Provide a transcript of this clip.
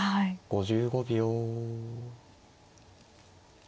５５秒。